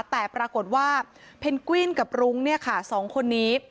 แต่ปรากฏว่าเพนกวินกับรุ้งเนี่ยค่ะสองคนนี้